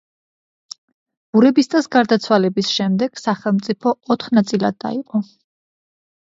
ბურებისტას გარდაცვალების შემდეგ სახელმწიფო ოთხ ნაწილად დაიყო.